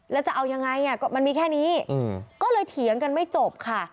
แล้วจะเอายังไงมันมีแค่นี้ก็เลยเถียงกันไม่จบค่ะ